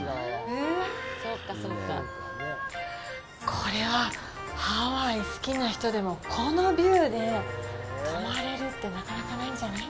これは、ハワイ好きな人でも、このビューで泊まれるってなかなかないんじゃない？